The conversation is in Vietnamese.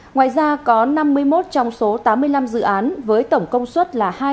ngoài ra có năm mươi một trong số tám mươi năm dự án với tổng công suất là hai mươi